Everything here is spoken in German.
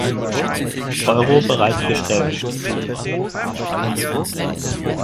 Euro bereitgestellt.